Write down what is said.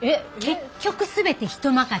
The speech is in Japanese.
結局全て人任せね。